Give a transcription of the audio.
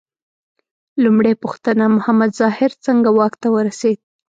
لومړۍ پوښتنه: محمد ظاهر څنګه واک ته ورسېد؟